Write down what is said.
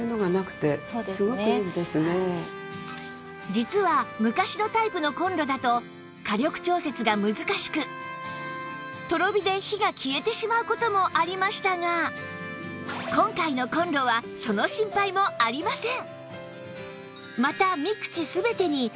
実は昔のタイプのコンロだと火力調節が難しくとろ火で火が消えてしまう事もありましたが今回のコンロはその心配もありません！